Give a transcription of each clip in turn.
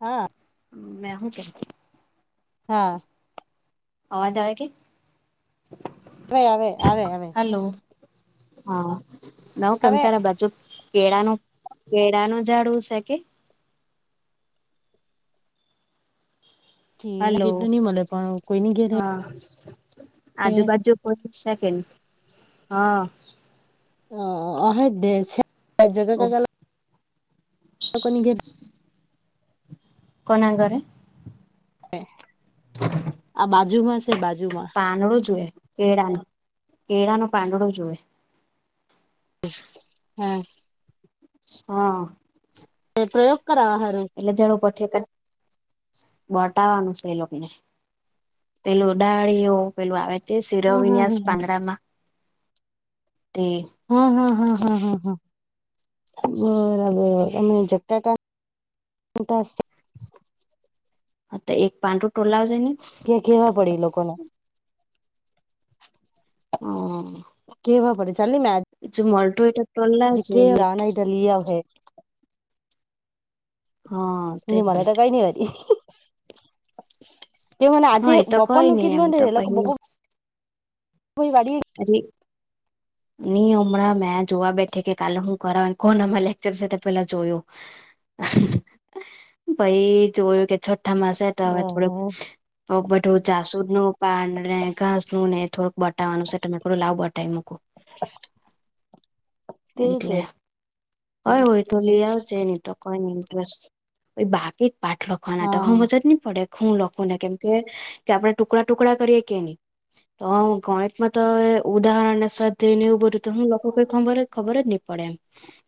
હા. મે હ કે. હા. અવાજળ કે. હ આવે આવે આવે. હ હા નવ આવે કેમતાર બાજુક. કેળાનો કેળાનો ઝાડવું સે કે? હલો, કેટલું નહી મળે પણ કોઈની ઘેરે હા. આજુબાજુ કોઈ સે કે? હા. [unintelligible] [unintelligible] કોના ઘરે? આ બાજુમાં છે બાજુમાં. પાંદડું જુએ કેળાનું કેળાનું પાંદડું જોએ. હે. હા. એ પ્રયોગ કરે આ હારૂ. એટલે જડો પઠે [unintelligible] બટાવાનું છે એ લોકને પેલું ડાળીયો પેલું આવે તે હા હા શિરવિન્યાસ હા પાંદડામાં તે હા હા હા હા હાહા. બરાબર અમે જગતાતા [inaudible] હા તો એક પાંટુ ટોલાવજે ને. ત્યાં કેવા પડી ઈ લોકોને. હમ્મ. કેવા પળી ચાલી મે આ જો મલટુ હોયતો જે કે જાના ઇધર લિયા હૈ. હા તેજ ની ને મને તો કાઈ નહી હરી. જે મને આજે હા એ તો કઈ બપોરનું નઈ એમ કીધેલું ને તો એ પહી લોકો બબ કોઈ વાડી અરે. ની હમણાં મેં જોવા બેઠી કે કાલે હું કરાવે કોન આમા લેક્ચર છે તે પેલા જોયુ. પહી જોયું કે છઠ્ઠામા સે તો હવે થોડુંક. તો બધું જાસુદનું પાન ને ઘાસ નું ને થોડુંક બટાવાનું છે. તો મેં કીધું લાવ બતાવી મૂકુ એટલે. તેવું અરે હોય તો જ લી આવજે નહી તો કઈને ઇન્ટરેસ્ટ બાકી જ પાઠલો. હા ના તો હમજ જ ની પડે. હું લખું ને કેમ કે કે આપણે ટુકડા-ટુકડા કરીએ કે નહી તો ગણિતમાં તો એ ઉદાહરણ ને સ્વાદધ્ય ને એવુ બધું તો હું લખુ કઈ ખબર-ખબર જ નહી પડે એમ.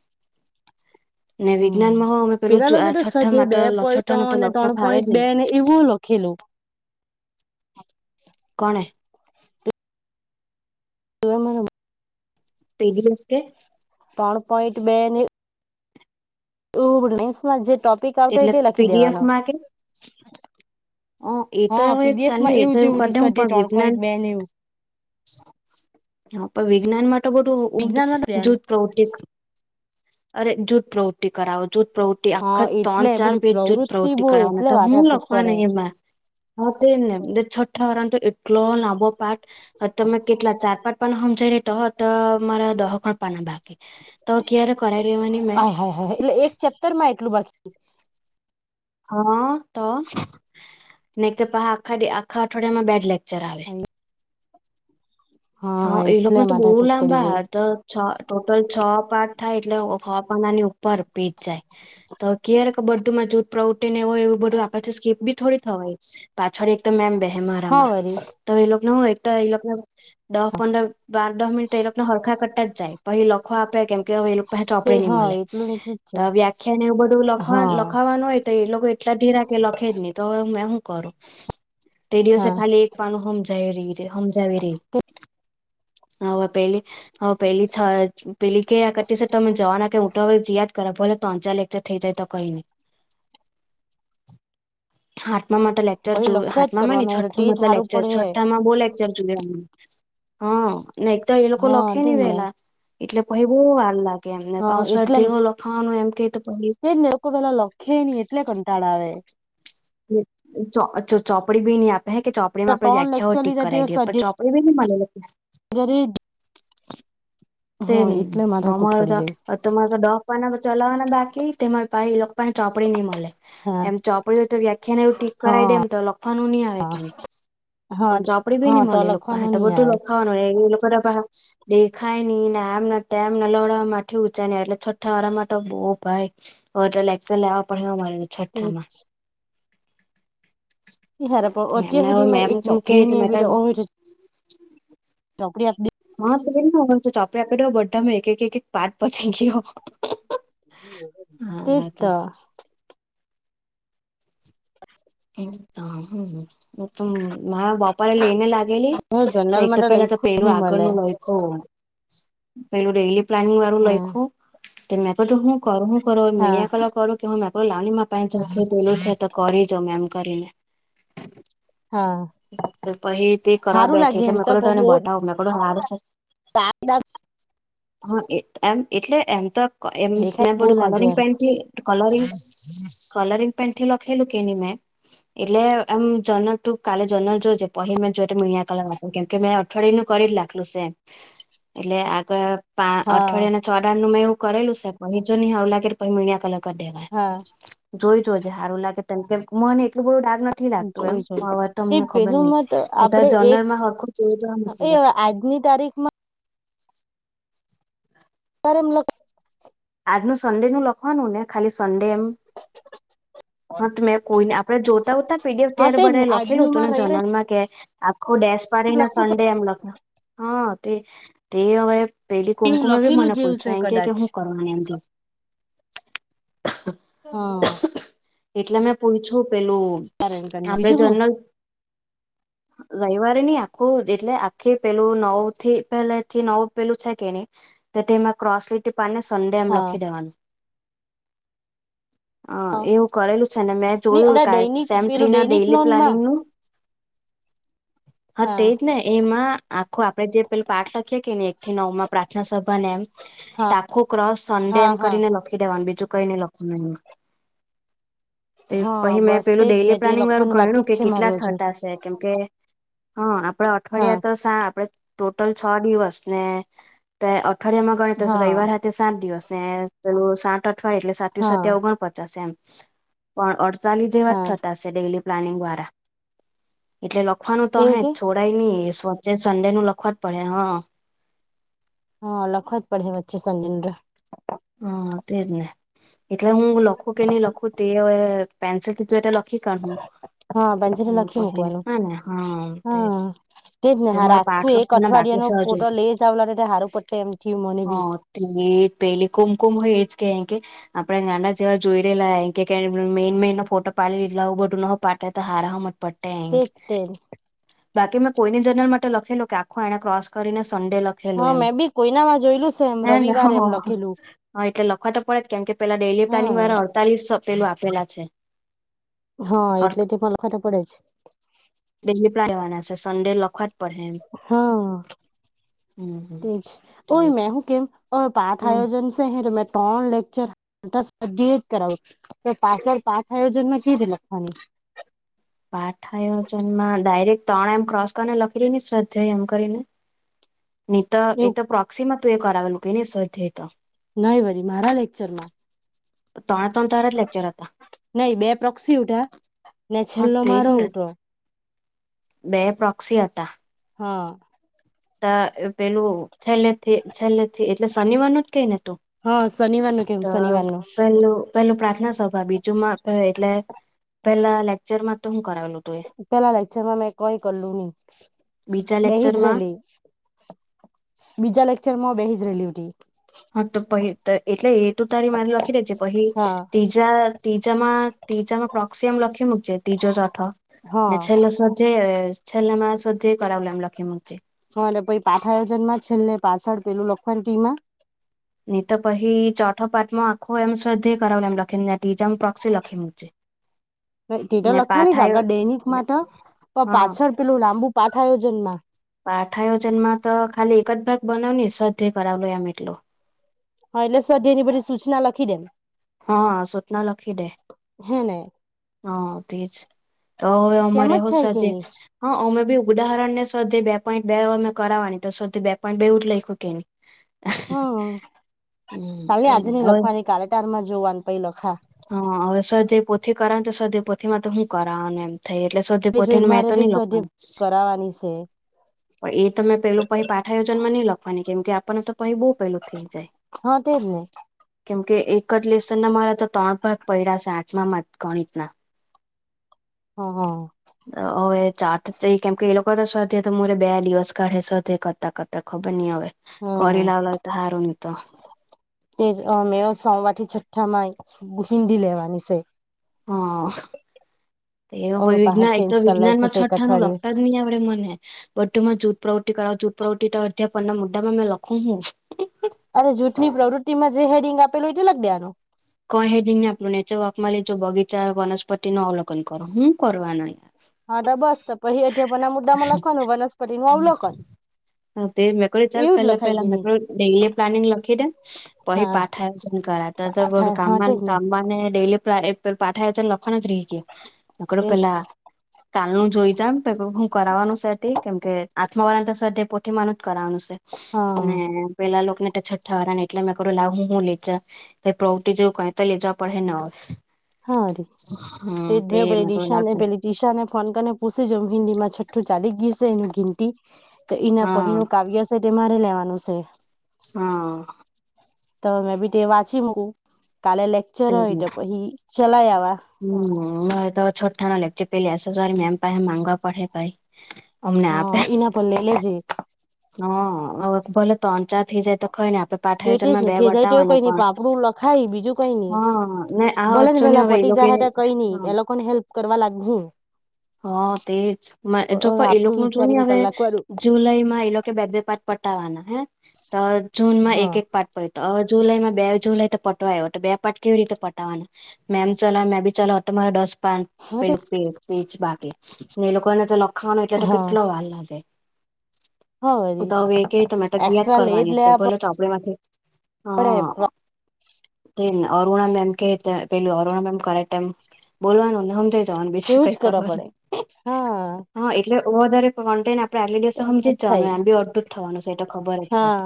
[inaudible] હમ્મ વિજ્ઞાનમાં હો અમે પેલું પેલા જો આ લોકો તો છઠ્ઠામાં સ્વાધ્યાય તો બે લ- પોઈન્ટો છઠ્ઠાનું તો અને લગતા ત્રણ ફાવે જ પોઈન્ટ નહી બે ને. એવું લખેલુ. કોણે? તુ એ મને. તે બિન્સ કે. ત્રણ પોઈન્ટ બે ને. ઉ બધું લેન્સમાં જે ટોપિક આવ તો હોય એટલે તે લખી દેવાનો. પીડીએફમાં હ એ તો હા હવે ચાલે એ તો એવું કરી દે હું પણ વિજ્ઞાન એને એવું. [inaudible] [inaudible] હા પણ વિજ્ઞાન માટે બધું ઊંધ વિજ્ઞાન જૂથ પ્રવૃતિક અરે જૂથ પ્રવૃત્તિ કરાવો જૂથ પ્રવૃ તિ હા આખા તણ એટલે ચાર બધી પેજ જૂથ પ્રવૃત્તિ પ્રવૃતિ બહુ કરાવવાના એટલે હતા, હું માથાકૂટ લખવા પડે ને એમાં. હા તે જ ને. ને છઠ્ઠા વાળાને તો એટલો લાંબો પાટ તમે કેટલા ચાર પાટ પન હમજાય લે તો-તો મારા દહ પન પાના બાકી. તો ક્યારે કરાઈ લેવાની મે? હા, હા. એટલે એક ચેપ્ટર માં એટલું બાકી. હા તો. ને તો પહીં આખા-આખા અઠવાડિયામાં બે જ લેક્ચર આવે. હા એ એટલે લોકને તો બહુ માથાકૂટ પડી લાંબા જાય ત છ ટોટલ છ પાર્ટ થાય એટલે [unintelligible] પર પી જાય, તો ક્યારેક [unintelligible] પ્રવૃતી ને એવું હોય એવું બધું આપડાથી સ્કીપ બી થોડી થવાય, પાછળ એકદમ એમ [unintelligible] હા મારામાં વરી તો એ લોકોને હું એક તો ઈ લોકોને દહ પંદર બાર દહ મિનિટ એ લોકને હરખા કરતા જ જાય. પહી લખવા આપે કેમ કે અવે એ લોક પાહે તે ચોપડી ની હા મલે એટલું નીકળી જ છે તો વ્યાખ્યાને એવું બધું લખ હા લખાવાનું હોય તો એ લોકો એટલા ઢીલા કે લખે જ નહીં, તો હવે હું શું કરું? તે દિવસે હા ખાલી એક પાનું હમજાય રી એ હમજાવે રે. હવે પેલી હવે પેલી થ પેલી ક્યે કરતી શે તમે જવા કે હું તો હવે જયા જ કરે ભલે તણ ચાર લેક [unintelligible] કંઈ નહીં [unintelligible] માટે [unintelligible] ચર પછી જોવે લખ્યા જ હાતમાં ની કરવાનું તે છઠ્ઠામાં જ તો હારું લેક્ચર પડે છઠ્ઠામાં બો લે ચર જોઈ લેવાનું હ ને એક તો એ લોકો હા લખે તેજ ની ને વેહલા. એટલે પહી બહુ વાર લાગે એમને અવે હા એટલે સ્વાધ્યાય હો લખાવાનું એમ કેય તો પહી. એક તો પહેલા લખે ની એટલે કંટાળો આવે. ચો ચોપડી બી ની આપહે કે ચ ચો ચોપડીમાં આપડે ત્રણ વ્યાખ્યાઓ લેક્ચર ટીક લીધા કરાઈ દઈએ પણ ચો કઈ બી ની મલે એ લોકને. જરીક તે જ ને અમારે તો દહ આપાના ચલાવાના બાકી તેમા પાહી એ લોક પાહે ચાપડી ની મલેે. હા એમ ચોપડી હોય તો વ્યાખ્યાને એવું ટીક કરાઈ દેમ હા તો લખવાનું ની આવે કેની. હા પણ ચોપડી બી હા ની તો મલે એ લોક પાહે લખવાનું તો નહી બધું આવે લખાવાનું રેય એ લોકોને પાહા દેખાય ની ને આમ એમ લવડવા માથી ઉંચા ની આવે એટલે છઠ્ઠાવાળામા તો બો ભાઈ. અવે તો લેકચર લેવા પડહે અમારે તો છઠ્ઠામાં. ની હારા પણ અત્યાર મેમને હવે હુધીમાં મેમ એક મૂકે ચોપડી હો ની મે આયપી તો અવે તો ચોપડી આપ દી હા તે જ ને અવે તો ચોપડી આપે દેય તો હો બધામાં એક એક એક પાઠ પતી ગયો. હા તે હા જ તો. તો હું તો માણહ બપોરે લેઈને લાગે ગેલી હ તો જનરલ એક તો માટે પેહલા તો લઈખું જ પેલું નહી મળે આગળનું લય ઓહ! પેલું ડેયલી પ્લાનિંગવાળું હા લયખું તો મેં કીધું હું કરહું કર હા મીણયા કલર કરું કે હું મેં કરું લાવની માર પાહે તો પેલું છે તો કરી જોમ એમ કરીને. હા તો પહી તે કરવા સારું બેઠી લાગે એટલે એમ મેં કીધું તને બતાઉ મેં કીધું હારુ શે. તો આ [unintelligible] હા એ એમ એટલે એમ તો એમ દેખાય મેં બહુ બધું લાગે કલરિંગ એમ પેનથી કલરીંગ કલરીંગ પેનથી લખેલું કે ની મેં. એટલે એમ જનરલ તું કાલે જર્નલ જોજે પહી મેં જોહે તો મીણ્યા કલર વાપરા કેમ કે મેં અઠવાડિયાનું કરી જ લાખલું શે એટલે આ તો પા હા અઠવાડિયા છો દાડનુ મેં એવું કરેલું શે પહી જો ની હારુ લાગે તો પહી મીણ્યા કલર કર દેવા હા જોઈ જોજે હારું લાગે તેમ તેમ મને એટલું બધું ડાર્ક ન નથી લાગતું એમ જોય પણ જોય અવે એ તમને ખબર ની પેલુંમાં એ તો આપડે એક જર્નરમાં હરખું જોય એ જોવાપડે. આજની તારીખ ત્યારે [unintelligible] આજનું સન્ડેનું લખવાનું ને ખાલી સન્ડે એમ. હા તો મેં કોઈ નઈ આપડે જોતા ઉતા પી ડી એફ ત્યારે હાટે જ ને બધાએ લખેલું આજનું ઉતું માં ને રવિવારે જર્નલમાં એમ. આખો ડેેશ પાડીને સંડે એમ લખ્યું હ તે તે અવે. પેલી એવું કુમકુમે બી લખેલું મને જેવું પૂયછુ છે એમ કેય કે કદાચ હું કરવાની એમ કેય. હ. એટલે મેં પૂયછું પેલું કારણ આપડે બીજું હું જર્નલ રવિવારે ની આખું એટલે આખી પેલું નવ થી પેહલાથી નવ પેલું છે કે નહીં. તો તેમાં ક્રોસ લીટી પાડીને સંડે એમ હા લખી દેવાનું. હ એવું. રેલું છે ને મે ની જોયું અલા કા દૈનિક સેમ થ્રી પેલું ના દૈનિક ડેલી લોનમાં પ્લાનિંગનુ. હા તેજ ને એમાં આખો આપણે જે પેલા પાઠ લખીએ કે ની એક થી નવમાં પ્રાર્થનાસભાને એમ. તો હા આખું ક્રોસ સનડે હા એમ હા કરીને લખી દેવાનું બીજું કઈ ની લખવાનું એમાં. તે હા પછ મેં બસ પેલું તેજ ડેલી મેં તે પ્લાનિંગ વાળું લખવાનું ગણ્યું બાકી જ કે છે કેટલા મારું હજુ થટાશે કેમ કે હા આપડા હા અઠવાડિયા તો સા આપડે ટોટલ છ દિવસ ને તે અઠવાડિયામાં ગણે તો હા રઈવાર હાતે સાત દિવસ ને પેલું સાત અઠવાડિયે એટલે સાતું હા સતયા ઓગણપચાસ એમ. પણ અડતાલીસ જેવા જ હા થતા શે ડેલી પ્લાનિંગ વારા. એટલે લખવાનું તો એવું અહે કે જ છોડાય ની વચ્ચે સન્ડેનું લખવા જ પડહે હ. હા લખો જ પડે વચ્ચે સન હા તેજ ને એટલે હું લખું કે નહી લખું તે હવે પેન્સિલ કીધું એ લખી કર હા બંજેરે પ લખી મૂકવાનું હ ને હા તે એ જ ના મારે હારૂ પાઠ એક લખવાના બાકી અઠવાડિયા છે ન હજુ પોટો લે ચાવલાલે હારું પટે એમથી મને હ બી. તે પેલી કુમકુમ હોય એ જ કે કે. આપડે નાના જેવા જોઈ રહેલા કે મેન મેન ફોટો પાડે એટલે આવું બધું ન પાડ તો હારા મ જ તેજ પડ તેજ બાકી મેં કોઈની જર્નલ માટે લખેલ કે આખું એને ક્રોસ કરીને સંડે લખ લેલું હા એમ મેં બી કોઈનામાં જોયેલું છે એમ રવિવારે એમ લખેલું હા એટલે લખવા તો પડે જ કેમ કે પેલા ડેલી પ્લાનિંગ હા વારા અડતાલીસ પેલું આપેલા છે. હા એટલે તેમાં લખવાને પડે છે. [unintelligible] પર રહેવાના છે સંડે લખવાત હા. હમ તેજ ઓય હમ મેહુ કેમ પાઠ હમ આયોજન હ તોમે ટોન લેક્ચર જ કરાવ તો પાછળ પાઠ આયોજન માં કી લખવાની? પાઠયોજન માં ડાયરેક ત્રણ એમ ક્રોસ કરીને લખી રને સ્વાધ્યાય એમ કરીને. નહી તો એ એવું તો પ્રોક્સીિમાં તું એ કરાવેલું કે નધ તો? નય વરી મારા લેક્ચરમાં. તો ત્રણ ત્રણ તારા જ લેક્ચર હતા નહી બે પક્ષી હુંતા. ને હા છેલ્લો તેજ મારો ને ઉઠો. બે પ્રોક્સી હતા. હા. ત પેલું છેલ્લે છેલ્લે એટલે શનિવાર ન જ કે ને તું. હા શનિવાર નું ત કેમ શનિવાર નું પેલુ પેલું પ્રાર્થના સભા બીજુમાં એટલે પેલા લેકચર માં તો હું કરાવેલું. તું એ પેલા લેક્ચર માં મેં કોઈ કરલું નહી બીજા બેહી જ લેક્ચરમાં રેલી. બીજા લેક્ચરમાં બેહીજ રેલી એ હા તો પહિ એટલે એ તો તારી મારી લખી રહી છે પહિ હા ત્રીજા ત્રીજામાં ત્રીજામાં પ્રોક્સિયમ લખી મૂકીજ ત્રીજો ચોઠો હા ને છેલે જે છેલ્લે મા સ્વાધ્યાય કરાવલામ લખી મૂકજે. અરે પ પાઠ આયોજન માં છેલ્ને પાછળ પેલું લખવા ટી માં ની તો પહિ ચોથો પાટ માં આખો એમ શ્રદ્ધ કરાવ એમ લખીનેજમ પ્રક્ષી લખી મુ છેે. [unintelligible] લખવાની જ આગળ દૈનિક માટે પણ હા પાછળ પેલું લાંબુ પાઠ આયોજનમાં. પાઠઆયોજન માં તો ખાલી એક જ ભાગ બનાવ સધે કરાવલો આમ એટલો હા એટલે સ્વાધ્યાય એની બધી સૂચના લખી દેમ. હા સૂચના લખી દે. હેને. હા તેજ તો હવે તેમ અમારે જ હો થાય કે સાજે. નહી હા અમે બી ઉદાહરણ ને સ્વાધ્યાય બે પોઈન્ટ બે અમે કરાવવાની તો સ્વાધ્યાય બે પોઈન્ટ બે એવું લખ્યું કેની. હ હમ ચાલી તો એ ની આજની હવે લખવાની કાલેટાર માં જોવાનું પહી લખા. હ સ્વાધ્યાય પોથી કરાવ તો સ્વાધ્યાય પોથીમાં તો હું કરાવઉ ને એમ થઈ એટલે સ્વાધ્યાય જોઈ પોથીનું મેં મારે તો બી નહી લખવાનું. સ્વાધ્યાય કરાવાની છે પણ એ તો મેં પેલું પહી પાઠા યોજનમાં નહી લખવાની કેમ કે આપણને તો પહી બહુ પેલું થઈ જાય. હા તે જ ને. કેમકે એક જ લેસન ના મારા તો ત્રણ ભાગ પડ્યા છે આઠમામાં ગણિતના. હા હા હવે ચાત કેમ કે એ લોકો તો સ્વાધ્યાય મોરે બે દિવસ કાઢે સ્વાધ્યાય કરતા કરતા ખબર નહી હવે. હમ કોરી લવલો હોય તો હારુ ને તો. તે મે સોમવારથી છઠ્ઠા માં હિન્દી લેવાની છે. હ હવે [unintelligible] પાહા વિજ્ઞા એક ચેન્જ તો કરી લાયખુ વિજ્ઞાનમાં છે એક છઠ્ઠા નું અઠવાડિયે લગતા જ નહીં આ વડે મને બધુમાં જૂથ પ્રવૃતિ કરાવ જૂથ પ્રવૃતિ તો અધ્યાપન ના મુદ્દામાં મેં લખો હું અને જૂથની પ્રવૃત્તિમાં જે હેડિંગ આપેલું હોય તો લગ દેવાનું કહી દ ને આપણું નેચર વર્ક માં લેજો બગીચા વનસ્પતિ નું અવલોકન કરો હું કરવા ન યાર હા તો બસ તો પછ એથીપના આ મુદા મા લખવાનું વનસ્પતિનું અવલોકન. હ તે મેક્રો ચાલ એવું જ પેલા લખાય કે પેલા નહી મેક્રો ડેઈલી પ્લાનિંગ લખી દેમ પછી હા પાઠ આયોજન કરા ત તો બોડું આઠા હા કામમાં તે ન જ ને કામ મ ડેલી પેલું પાઠ એને લખણ જ રહી ગયું હું કીધું તેજ પહેલા કાલનું જોઈ જામ પ હું કરાવવાનું છે હતી કેમ કે આઠમાવાળા સ્વાધ્યાયપોઠી માનું જ કરાવાનું છે. હા ને પેલા લોકોને તો છઠ્ઠા વાળા એટલે મેં કરું લાવું હું હું લેજ કઈ પ્રો ટી જેવું કંઈ ત લઈ જવા પડહે ને હવે હા રી તે હમ મે મેં બડ કીધું લાવ નિશાને ચાલ પેલી દીશા ને ફોન કરીને પૂછી જોમ હિન્દીડી માં છઠ્ઠું ચાલી ગયુ છે એનું ઘિંટી એના હા પહીનું કાવ્ય છે તે મારે લેવાનું છે. હા તો મેં બી તે વાંચી મકું કાલે લેક્ચર તે હોયટ પછી ચલાઇ આવા હમ મ તો છોટા ના લેક્ચર છે પેલી એસએસ વાળી મેમ પાહે માંગવા પડહે ભાઈ અમને હા એના પર લે લે જે હ ભલો તંચાપ થઈ જાય તો કઈ ને આપડે તો એ જ પાઠાયોજનમાં ને બે થ જાય તોવું બતાવવાના કઈ નઈ પણ પાપડું લખાય બીજું કઈ નઈ હા ને આ ભલે ને અચ્ચો ની વેલા હવે એ પટી લોકો જાહે હતા કઈ નઈ એ લોકો ને હેલ્પ કરવા લાગ હું હા તેજ જો એ લોકો આપડું ન જો ને વિચારીને હવે કલાક વાળું જુલાઈ માં એ લોકો બે બે પાર્ટ પટાવાના હે તો જૂનમાં એક હા એક પાર્ટ તો હવે જુલાઈ માં બે જુલાઈ તો પટવા આવ્યો તો બે પાટ કેવી રીતે પટાવાના મેમ ચો મેં બી ચોટમ ડોસ પા પેલું પે પેચ બાકી એ લોકો એને તો લખાવાનો એટલે તો હા કેટલો વા ર લાગે. હા વરી તો હવે ક તમે ગયા જ એક્સ્ટ્રા લેજ કરવાની હશે ભોલો લેવા તો આપણે માંથી પડે હા અરુણ મેમ કે પેલું અરુણ મેમ કરેક એમ બોલવાનુંને સમમ તો બીજું ક ઉતર પડે હા હા એટલે ઓ વધારે કોન્ટન્ટ આપ અગલે દિવસે એમ જ સમજી જવાનું થાય આમ બી અડુંટ થવાનું એ તો ખબર જ છે. હા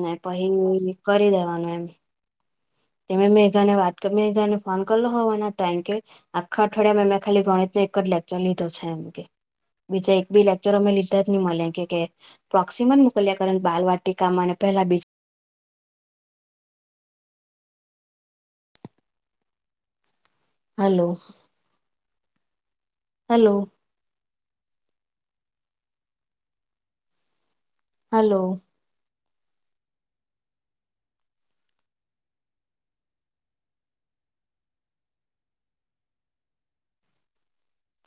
ને પછી કરી દેવાનું એમ તમે મેં મેગાને વાત કરી મેને ફોન કરલો હોવાના કારમ કે આખા અઠવાડિયામાં મેં ખાલી ગણિતને એક જ લેક્ચર લીધો છે એમ કે બીજા એકી લેક્ચર હમે લીતા જ ન મળે કે પ્રોક્સસીમ જ મોકલ્યા કર બાલ વાટિકામાં પલા બીજ હલો હલો હલો